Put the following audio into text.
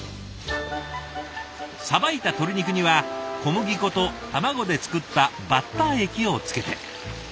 さばいた鶏肉には小麦粉と卵で作ったバッター液をつけて。